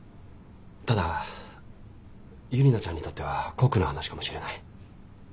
ただユリナちゃんにとっては酷な話かもしれない。